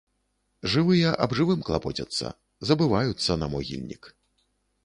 Жывыя аб жывым клапоцяцца, забываюцца на могільнік.